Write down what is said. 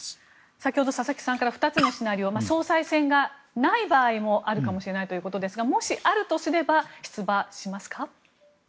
先ほど佐々木さんから２つのシナリオ総裁選がない場合もあるかもしれないということですがもし、あるとすれば出馬しますか？